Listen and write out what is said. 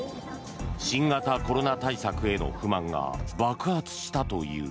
新型コロナ対策への不満が爆発したという。